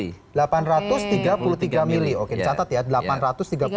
ini kita tuang sini aja ya pak